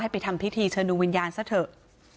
ให้ไปทำพิธีเชือนดวงวิญญาณซะเถอะ